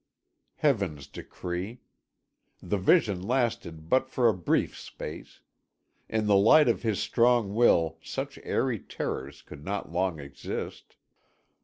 Heaven's decree. The vision lasted but for a brief space. In the light of his strong will such airy terrors could not long exist.